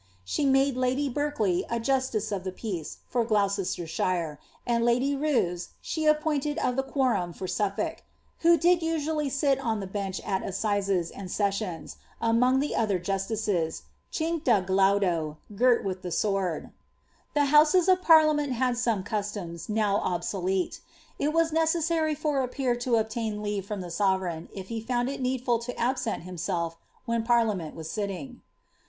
She made lady Berkley a justice of the P^ace /or Gkniceeln* shire, and lady Rous she appointed of the qnoram for Soflblk, ^ who Ad nsnally sit on the bench at assises and sessions, among the other jnetiea^ etncta ghtdio — girt with the sword.*" The hooses of pariiameat hsd 'some customs, now obsolete. It was necessarj for a peer to obi«B leave from thb sovereigta, if he fovnd it needftd to absent himself whes parliament was sitting.